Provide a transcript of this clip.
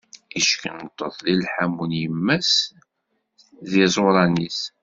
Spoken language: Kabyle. Yeckenṭeḍ di lḥammu n yemma-s d yiẓuṛan-is.